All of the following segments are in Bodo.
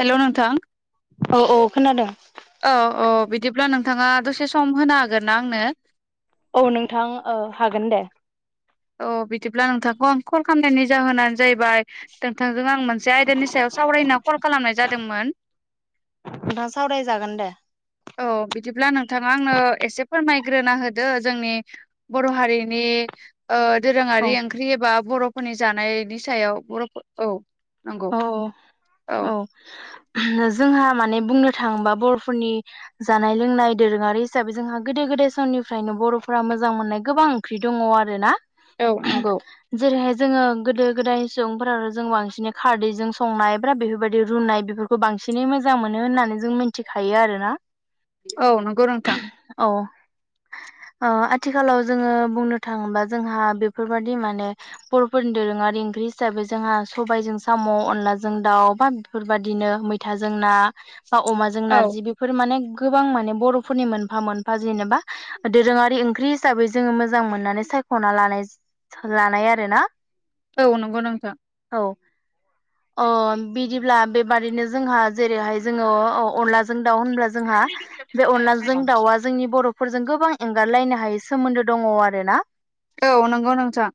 हेल' नोंथां औ औ खोनादों औ औ बिदिब्ला नोंथाङा दसे सम होनो हागोन ना आंनो? औ नोंथां ओ हागोन दे। अ बिदिब्ला नोंथांखौ आं कल खामनायनि जाहोनानो जाहैबाय नोंथांजों आं मोनसे आयदानि सायाव सावरायनो कल खालामनाय जादोंमोन। नोंथां सावरायजागोन दे। औ बिदिब्ला नोंथाङा आंनो एसे फोरमायग्रोना होदो जोंनि बर' हारिनि ओ औ दोरोङारि ओंख्रि एबा बर'फोरनि जानायनि सायाव बर'फोर औ नंगौ अ औ [unintelligible] जोंहा माने बुंनो थाङोबा बर'फोरनि जानाय लोंनाय दोरोङारि हिसाबै जोंहा गोदो गोदाय समनिफ्रायनो बर'फ्रा मोजां मोननाय गोबां ख्रि दङ' आरो ना। औ नंगौ जेरैहाय जोङो गोदो गोदाय सुबुंफोरा जों बांसिनै खारदैजों संनाय ब्रा बेफोरबायदि रुनाय बेफोरखौ बांसिनै मोजां मोनो होननानै जों मिनथिखायो आरोना। औ नंगौ नोंथां औ ओ आथिखालाव जोङो बुंनो थाङोबा जोंहा बेफोरबादि माने बर'फोरनि दोरोङारि ओंख्रि हिसाबै जोंहा सबाइजों साम' अनलाजों दाउ बा बेफोरबादिनो मैथाजों ना बा अमाजों औ नारजि बे फोर माने गोबां माने बर'फोरनि मोनफा - मोनफा जेनेबा दोरोङारि ओंख्रि साबै जोङो मोजां मोननानै सायख'ना लानाय-लानाय आरोना। औ नंगौ नोंथां औ अ बिदिब्ला बेबादिनो जोंहा जेरैहाय जोङो अ-अ-अनलाजों दाउ होनब्ला जोंहा बे अनलाजों दाउआ जोंनि बर'फोरजों गोबां एंगारलायनो हायै सोमोन्दो दङ' आरो ना। औ नंगौ नोंथां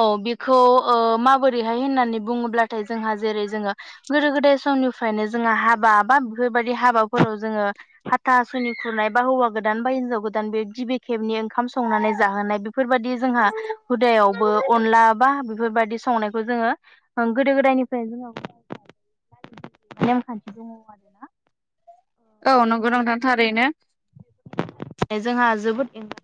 औ बेखौ ओ माबोरैहाय होननानै बुङोब्लाथाय जोंहा जेरै जोङो गोदो गोदाय समनिफ्रायनो जोङो हाबा बा बेफोरबायदि हाबाफोराव जोङो हाथासुनि खुरनाय बा हौवा गोदान बा हिनजाव गोदान बे गिबि खेबनि ओंखाम संनानै जाहोनाय बे फोरबायदि जोंहा हुदायावबो अनला बा बेफोरबायदि संनायखौ जोङो गोदो गोदायनिफ्राय जोंनाव [unintelligible] नेमखान्थि दङ' आरोना औ नंगौ नोंथां थारैनो। जोंहा जोबोद [unintelligible]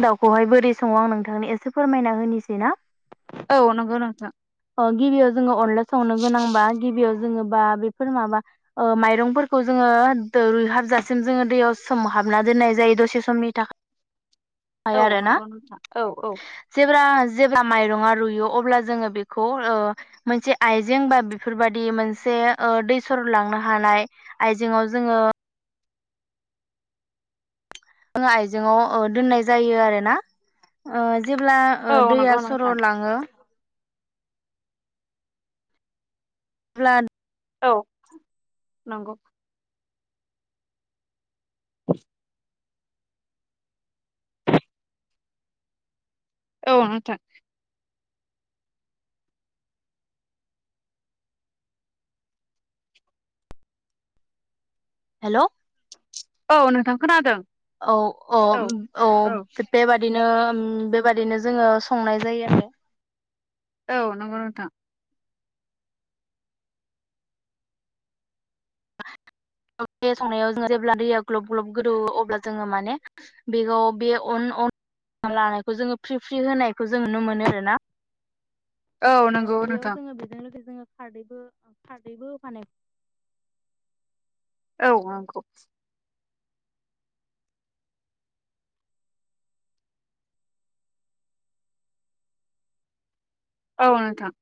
दाउखौहाय बोरै सङो आं नोंथांनि एसे फोरमायना होनिसै ना‌? औ नोंगौ नोंथां अ गिबियाव जोङो अनला संनो गोनांबा गिबियाव जोङो बा बेफोर माबा ओ माइरंफोरखौ जोङो दो रुइहाबजासिम जोङो दैयाव सोमहाबना दोननाय जायो दसे समनि थाखा औ नंगौ नोंथां औ औ जेब्ला-जेब्ला माइर'ङा रुयो अब्ला जोङो बे खौ मोनसे आइजें बा बेफोरबायदि मोनसे दै सर लांनो हानाय आयजेंव जोङो आइजेआव दोननाय जायो आरोना जेब्ला औ ओ नंगौ दैया सर' नोंथां लाङो अब्ला औ नंगौ [inaudible] औ नोंथां हेल' औ नोंथां खोनादों औ औ औ बेबायदिनो बेबायदिनो जोङो जायो आरो औ नंगौ नोंथां संनायाव जों जेब्ला दैया ग्लब ग्लब गोदौयो अब्ला जोङो माने बेखौ बे अन लानायखौ जोङो फ्रि फ्रि होनायखौ जों नुनो मोनो आरो ना औ नंगौ बेयाव नोंथां जोङो बेजों जोङो खारदैबो खारदैबो होबानोहायो औ नंगौ औ नोंथां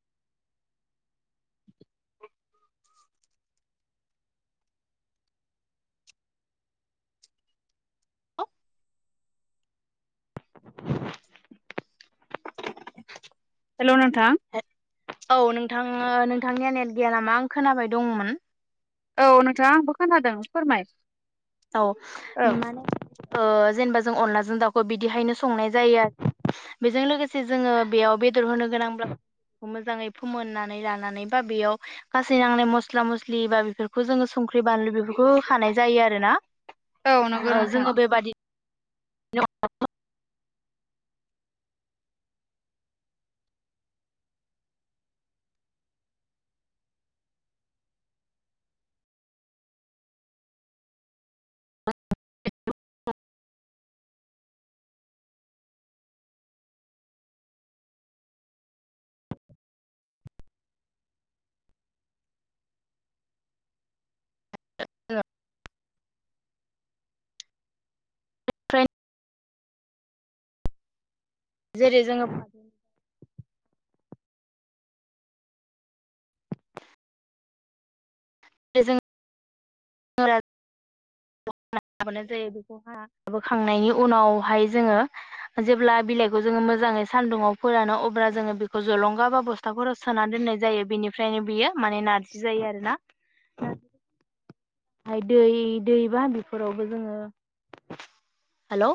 हेल' नोंथां औ नोंथाङ नोंथांनिया नेट गैया नामा आं खोनाबाय दंमोन औ नोंथाङा आंबो खोनादों फोरमाय औ औ माने ओ जेनेबा जों अनलाजों दाउखौ बिदिहायनो संनाय जायो आरो बेजों लोगोसे जोङो बेयाव बेदर होनो गोनांब्ला मोजाङै फोमोननानै लानानै बा बेयाव गासै नांनाय मस्ला मस्लि बा बेफोरखौ जोङो संख्रि बानलु बेफोरखौ खानाय जायो आरो ना औ नंगौ नोंथां जोङो बेबादि अन [inaudible] ओमफ्राय जेरै जोङो जे जों [inaudible] हाबाय जायो बेखौहाय हाबोखांनायनि उनावहाय जोङो जेब्ला बिलाइखौ जोङो मोजाङै सान्दुुंआव फोरानो अब्ला जोङो बेखौ जलंगाबा बस्थ हथाफोरराव सोना दोननाय जायो बेनिफ्रायनो बियो माने नारजि जायो आरो ना [inaudible] माय दै दैबा बेफोरावबो जोङो हेल'